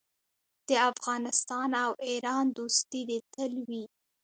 د افغانستان او ایران دوستي دې تل وي.